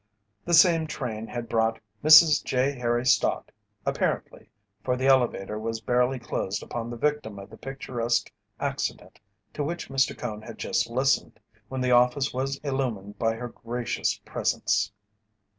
The same train had brought Mrs. J. Harry Stott apparently, for the elevator was barely closed upon the victim of the picturesque accident to which Mr. Cone had just listened, when the office was illumined by her gracious presence.